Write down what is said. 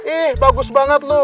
ih bagus banget lu